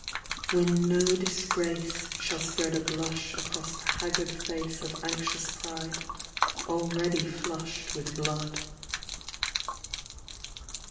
When no disgrace Shall spread a blush across the haggard face Of anxious Pride, already flushed with blood.